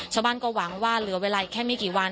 ชาวบ้านก็หวังว่าเหลือเวลาอีกแค่ไม่กี่วัน